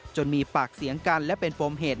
มีปากเสียงกันและเป็นปมเหตุ